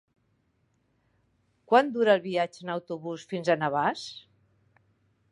Quant dura el viatge en autobús fins a Navàs?